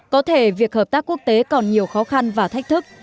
có thể việc hợp tác quốc tế còn nhiều khó khăn và thách thức